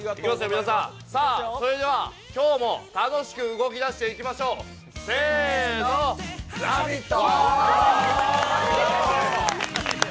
皆さん、それでは今日も楽しく動きだしていきましょうせーの、「ラヴィット！」。